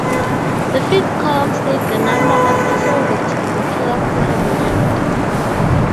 The fifth column states the number of possible victims the killer could have murdered.